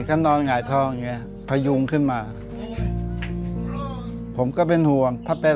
เขานอนไหงทองเนี่ยพยุงขึ้นมาผมก็เป็นห่วงถ้าเป็น